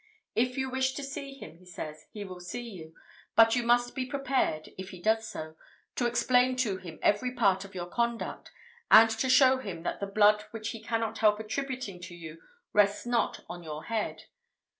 If you wish to see him, he says, he will see you; but you must be prepared, if he does so, to explain to him every part of your conduct; and to show him that the blood which he cannot help attributing to you rests not on your head.